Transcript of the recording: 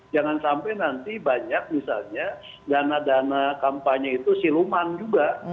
jangan sampai nanti banyak misalnya dana dana kampanye itu siluman juga